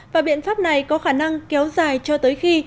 và biện pháp này có khả năng kéo dài cho tới khi